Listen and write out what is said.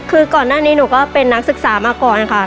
คือก่อนหน้านี้หนูก็เป็นนักศึกษามาก่อนค่ะ